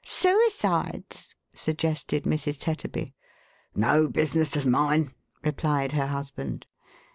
" Suicides," suggested Mrs. Tetterby. " No business of mine," replied her husband.